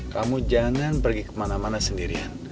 kamu jangan pergi kemana mana sendirian